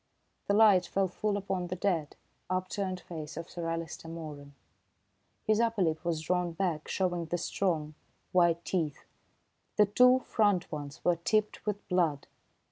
The light fell full upon the dead, upturned face of Sir Alister Moeran. His upper lip was drawn back, showing the strong, white teeth. The two front ones were tipped with blood.